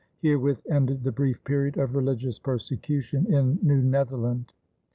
Herewith ended the brief period of religious persecution in New Netherland.